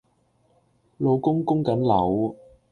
老公供緊樓